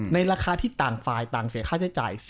ในราคาที่ต่างฝ่ายต่างเสียค่าใช้จ่าย